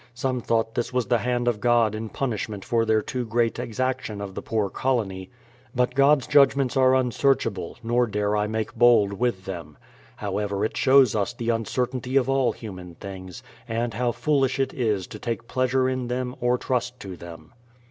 Some thought this was the hand of God in punishment for their too great exaction of the poor colony; but God's judgments are unsearchable, nor dare I make bold with them. However, it shows us the uncertainty of all human things, and how foolish it is to take pleasure in them or trust to them.